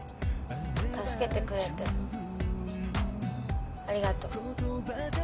助けてくれてありがとう。